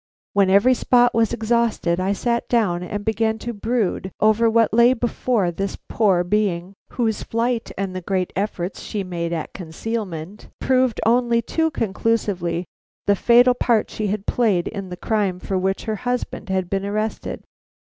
When every spot was exhausted I sat down and began to brood over what lay before this poor being, whose flight and the great efforts she made at concealment proved only too conclusively the fatal part she had played in the crime for which her husband had been arrested.